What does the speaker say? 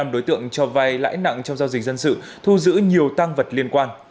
năm đối tượng cho vai lãi nặng trong giao dịch dân sự thu giữ nhiều tăng vật liên quan